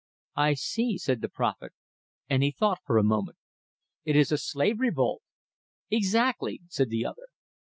"I see," said the prophet, and he thought for a moment. "It is a slave revolt!" "Exactly," said the other.